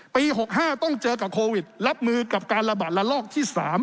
ปี๖๕ต้องเจอกับโควิดรับมือกับการระบาดระลอกที่๓